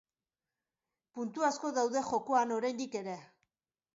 Puntu asko daude jokoan oraindik ere.